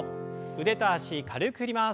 腕と脚軽く振ります。